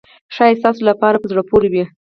ښایي ستاسو لپاره په زړه پورې وي.